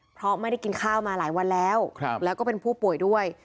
เพราะไม่ได้กินข้าวมาหลายวันแล้วแล้วก็เป็นผู้ป่วยด้วย